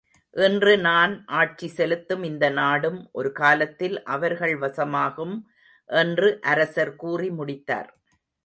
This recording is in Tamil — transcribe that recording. இன்று நான் ஆட்சி செலுத்தும் இந்த நாடும் ஒரு காலத்தில் அவர்கள் வசமாகும் என்று அரசர் கூறி முடித்தார்.